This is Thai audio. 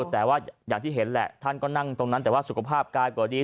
แต่ว่าอย่างที่เห็นแหละท่านก็นั่งตรงนั้นแต่ว่าสุขภาพกายก็ดี